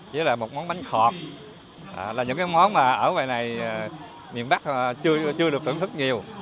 với một món bánh khọt là những món ở miền bắc chưa được thưởng thức nhiều